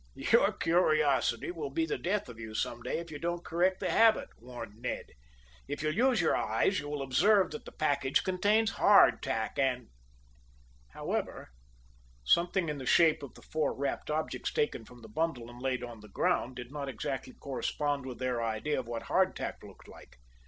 "Your curiosity will be the death of you some day if you don't correct the habit," warned Ned. "If you'll use your eyes you will observe that the package contains hard tack, and " However, something in the shape of the four wrapped objects taken from the bundle, and laid on the ground, did not exactly correspond with their idea of what hard tack looked like.